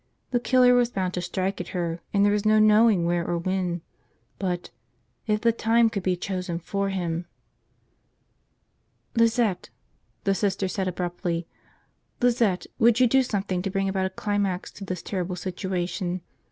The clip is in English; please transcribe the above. The killer was bound to strike at her, and there was no knowing where or when. But if the time could be chosen for him. ... "Lizette," the Sister said abruptly, "Lizette, would you do something to bring about a climax to this terrible situation?